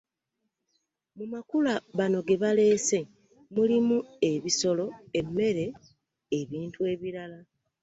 Mu Makula bano ge baleese mulimu; ebisolo, emmere, ebintu ebirala.